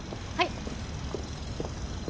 はい。